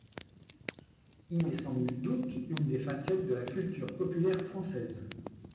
Il est sans nul doute une des facettes de la culture populaire française.